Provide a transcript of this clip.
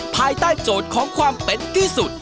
ภายใต้โจทย์ของความเป็นที่สุด